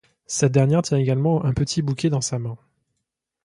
Cette dernière tient également un petit bouquet dans sa main.